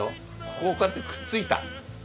ここをこうやってくっついた。